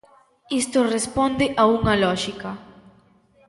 Isto responde a unha lóxica.